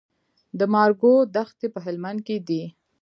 د مارګو دښتې په هلمند کې دي